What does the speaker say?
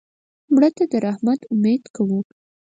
مړه ته د رحمت امید کوو